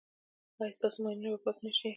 ایا ستاسو ماینونه به پاک نه شي؟